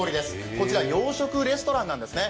こちら洋食レストランなんですね。